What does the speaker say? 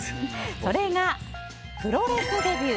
それが、プロレスデビュー